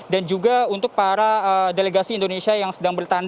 dan juga untuk para delegasi indonesia yang sedang berpengalaman